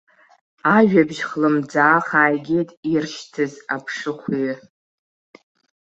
Ажәабжь хлымӡаах ааигеит иршьҭыз аԥшыхәҩы.